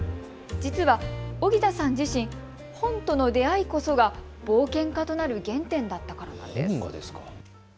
実は荻田さん自身、本との出会いこそが冒険家となる原点だったからなんです。